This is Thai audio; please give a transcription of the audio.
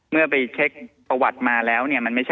เมื่อไปเช็คประวัติมาแล้ว